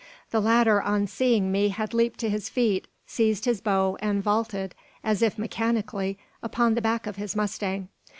The latter, on seeing me, had leaped to his feet, seized his bow, and vaulted, as if mechanically, upon the back of his mustang.